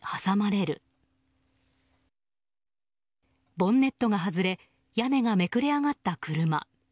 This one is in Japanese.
ボンネットが外れ屋根がめくれ上がった車。